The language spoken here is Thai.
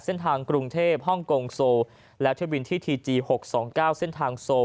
เส้นทางกรุงเทพฮ่องกงโซและเที่ยวบินที่ทีเกียวหกสองเก้าเส้นทางโซ